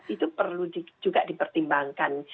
itu perlu juga dipertimbangkan